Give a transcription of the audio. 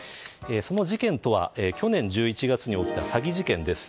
その事件とは、去年１１月に起きた詐欺事件です。